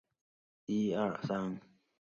这样看来似乎有无穷多种三维点群。